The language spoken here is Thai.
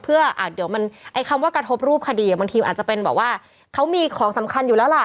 เพื่อเดี๋ยวมันไอ้คำว่ากระทบรูปคดีบางทีอาจจะเป็นแบบว่าเขามีของสำคัญอยู่แล้วล่ะ